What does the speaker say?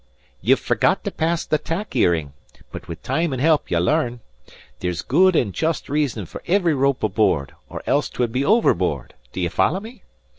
"You've forgot to pass the tack earing, but wid time and help ye'll larn. There's good and just reason for ivry rope aboard, or else 'twould be overboard. D'ye follow me?